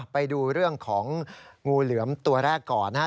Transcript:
ไปดูเรื่องของงูเหลือมตัวแรกก่อนนะครับ